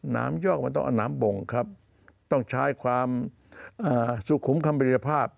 ยอกมันต้องเอาน้ำบ่งครับต้องใช้ความสุขุมคำบริยภาพ